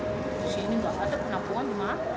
disini gak ada penampungan cuma